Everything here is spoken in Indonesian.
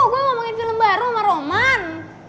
gua ngomongin film baru sama roman